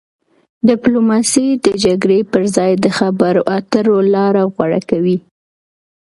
ډیپلوماسي د جګړې پر ځای د خبرو اترو لاره غوره کوي.